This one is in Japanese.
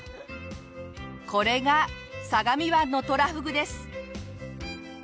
これが相模湾のトラフグです。